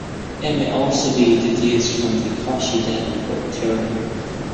It may also be deduced from the Cauchy-Davenport theorem.